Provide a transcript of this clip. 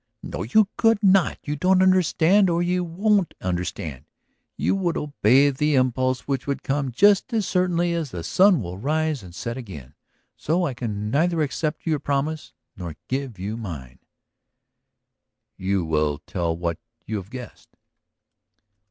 "No! You could not. You don't understand or you won't understand. You would obey the impulse which would come just as certainly as the sun will rise and set again. So I can neither accept your promise ... nor give you mine." "You will tell what you have guessed?"